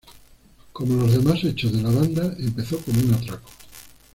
Como los demás hechos de la banda, empezó como un atraco.